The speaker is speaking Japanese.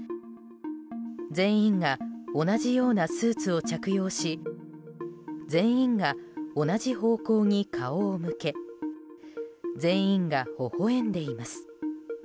全員が同じようなスーツを着用し全員が同じ方向に顔を向け全員がほほ笑んでいます。